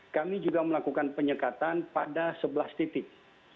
kami juga melakukan penyekatan pada sebelas titik